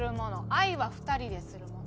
愛は２人でするもの」。